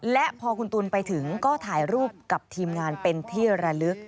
และพอคุณตูนไปถึงก็ถ่ายรูปกับทีมงานเป็นที่ระลึก